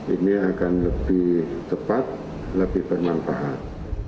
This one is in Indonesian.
ini akan lebih cepat lebih bermanfaat